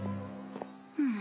うん。